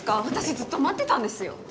私ずっと待ってたんですよ？